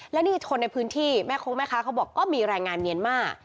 และนี่คนในพื้นที่แม่โค้งแม่ค้าเขาบอกก็มีแรงงานเมียนมา